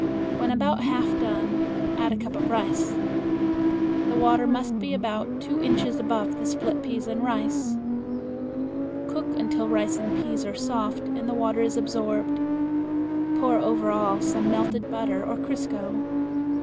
When about half done add a cup of rice. The water must be about two inches above the split peas and rice. Cook until rice and peas are soft and the water is absorbed. Pour over all some melted butter or crisco.